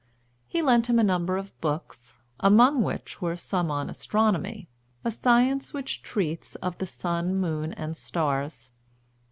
He lent him a number of books, among which were some on astronomy, a science which treats of the sun, moon, and stars.